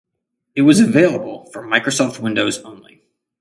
It was available for Microsoft Windows only.